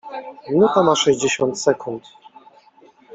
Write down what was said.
Minuta ma sześćdziesiąt sekund.